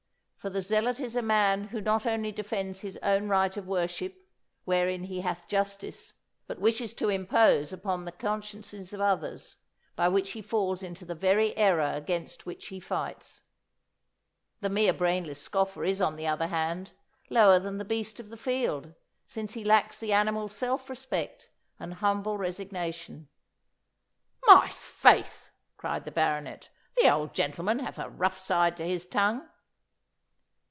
For the zealot is a man who not only defends his own right of worship, wherein he hath justice, but wishes to impose upon the consciences of others, by which he falls into the very error against which he fights. The mere brainless scoffer is, on the other hand, lower than the beast of the field, since he lacks the animal's self respect and humble resignation."' 'My faith!' cried the Baronet, 'the old gentleman hath a rough side to his tongue.